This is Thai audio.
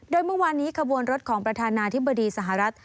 โดยเมื่อวานนี้ขบวนรถของประธานาธิบดีสหรัฐ